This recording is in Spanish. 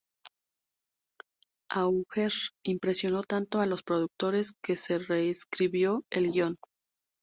Auger impresionó tanto a los productores que se re-escribió el guión.